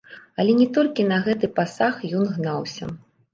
Але не толькі на гэты пасаг ён гнаўся.